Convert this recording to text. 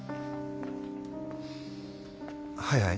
はいはい。